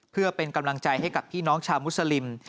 เพื่อเป็นกำลังใจให้กับพี่น้องชาวมุสลิม